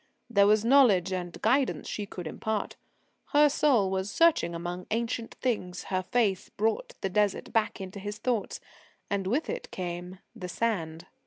There was knowledge and guidance she could impart. Her soul was searching among ancient things. Her face brought the Desert back into his thoughts. And with it came the sand.